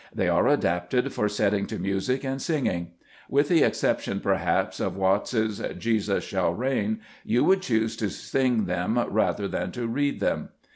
They are adapted for setting to music and singing. With the ex ception, perhaps, of Watts's "Jesus shall reign," you would choose to sing them rather than to read them.